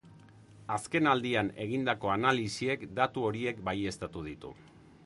Azken aldian egindako analisiek datu horiek baieztatu ditu.